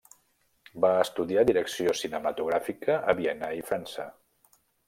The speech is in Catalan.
Va estudiar direcció cinematogràfica a Viena i França.